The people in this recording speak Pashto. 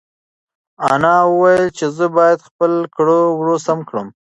انا وویل چې زه باید خپل کړه وړه سم کړم.